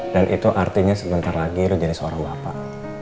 dan itu artinya sebentar lagi lo jadi seorang bapak